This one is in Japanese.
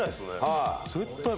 はい。